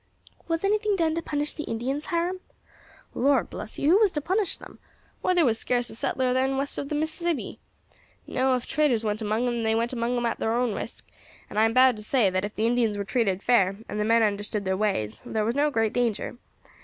"Was anything done to punish the Indians, Hiram?" "Lor' bless you, who was to punish them? Why, there was scarce a settler then west of the Mississippi. No; if traders went among 'em they went among 'em at thar own risk; and, I am bound to say, that if the Indians were treated fair, and the men understood thar ways, thar was no great danger.